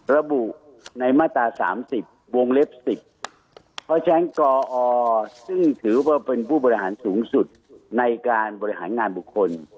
ระบุในมาตรา๓๐วงเล็บ๑๐เพราะฉะนั้นกอซึ่งถือว่าเป็นผู้บริหารสูงสุดในการบริหารงานบุคคล